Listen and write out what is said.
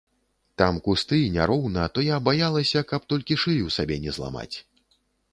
Там кусты, няроўна, то я баялася, каб толькі шыю сабе не зламаць.